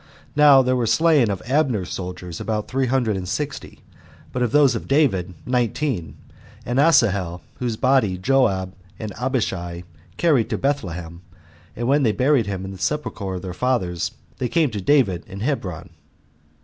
Now there were slain of Abner's soldiers about three hundred and sixty; but of those of David nineteen, and Asahel, whose body Joab and Abishai carried to Bethlehem; and when they had buried him in the sepulcher of their fathers, they came to David to Hebron.